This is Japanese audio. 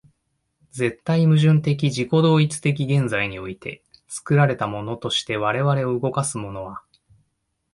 絶対矛盾的自己同一的現在において、作られたものとして我々を動かすものは、